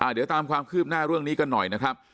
เดี๋ยวตามความคืบหน้าเรื่องนี้กันหน่อยนะครับ